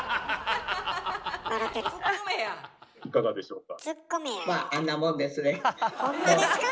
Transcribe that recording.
いかがでしょうか？